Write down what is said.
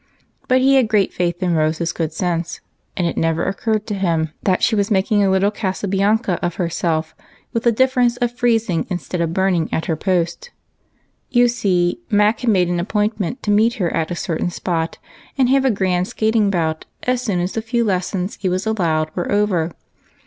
But he had great faith in Rose's good sense, and it never occurred to him that she was making a little Casabianca of herself, with the difference of freezing instead of burning at her post. You see, Mac had made an appointment to meet her at a certain spot, and have a grand skating bout as soon as the few lessons he was allowed were over.